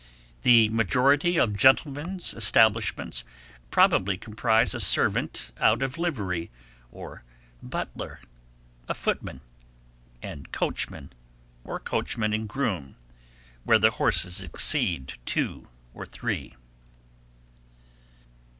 The majority of gentlemen's establishments probably comprise a servant out of livery, or butler, a footman, and coachman, or coachman and groom, where the horses exceed two or three.